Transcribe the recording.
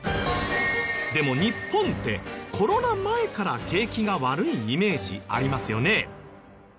でも日本ってコロナ前から景気が悪いイメージありますよね？